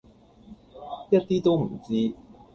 一啲都唔知